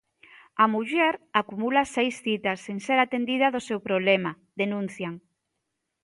A muller acumula seis citas sen ser atendida do seu problema, denuncian.